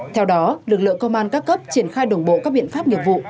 theo đó lực lượng công an các cấp triển khai đồng bộ các biện pháp nghiệp vụ